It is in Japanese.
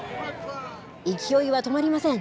勢いは止まりません。